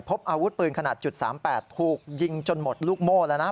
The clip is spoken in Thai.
พบอาวุธปืนขนาด๓๘ถูกยิงจนหมดลูกโม่แล้วนะ